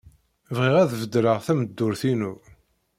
Bɣiɣ ad beddleɣ tameddurt-inu.